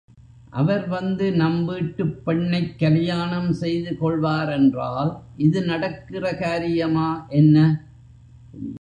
அவர் வந்து நம் வீட்டுப் பெண்ணைக் கலியாணம் செய்து கொள்வாரென்றால், இது நடக்கிற காரியமா என்ன?